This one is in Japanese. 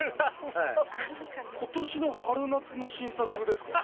今年の春夏の新作ですか？